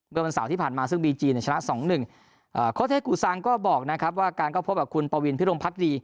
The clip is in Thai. เมื่อบรรสาวที่ผ่านมาซึ่งบีจีนชนะสองหนึ่งอ่าโคเทศกุศังก็บอกนะครับว่าการเข้าพบกับคุณปวินพิธรมพักรี